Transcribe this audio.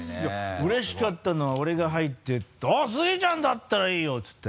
うれしかったのは俺が入っていって「あっスギちゃんだったらいいよ」て言って。